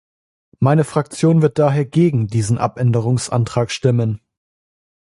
Meine Fraktion wird daher gegen diesen Abänderungsantrag stimmen.